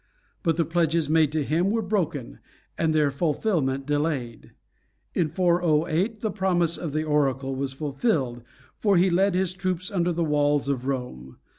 But the pledges made to him were broken, and their fulfilment delayed. In 408 the promise of the oracle was fulfilled, for he led his troops under the walls of Rome.